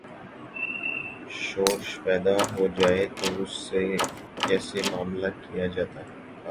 شورش پیدا ہو جائے تو اس سے کیسے معا ملہ کیا جاتا تھا؟